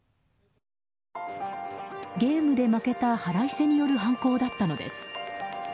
ゲームで負けた腹いせによる犯行だったのです。